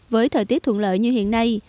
với thời tiết thuận lợi như hiện nay